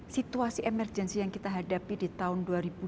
situasi emergency yang kita hadapi di tahun dua ribu dua puluh dua ribu dua puluh satu